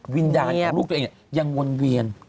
วิญญาณของลูกตัวเองยังวนเวียน